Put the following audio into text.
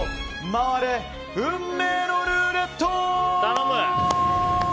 回れ、運命のルーレット！